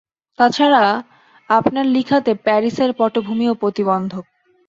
তাছাড়া আপনার লিখাতে প্যারিসের পটভূমিও প্রতিবন্ধক।